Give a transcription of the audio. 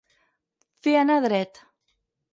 Fer anar dret.